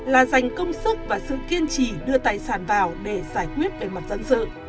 là dành công sức và sự kiên trì đưa tài sản vào để giải quyết về mặt dân sự